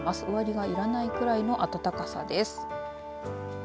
上着がいらないぐらいの暖かさです。